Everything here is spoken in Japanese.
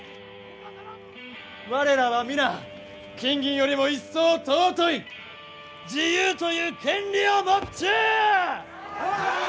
我らは皆金銀よりも一層尊い自由という権利を持っちゅう！